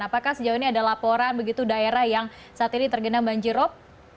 apakah sejauh ini ada laporan begitu daerah yang saat ini tergenang banjirop